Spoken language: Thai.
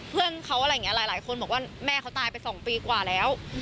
เพื่อนเขาอะไรอย่างนี้หลายคนบอกว่าแม่เขาตายไป๒ปีกว่าแล้ว